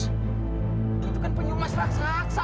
itu kan penyu mas raksa